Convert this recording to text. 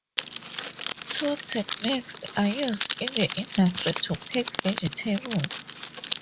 Two techniques are used in the industry to pack vegetables.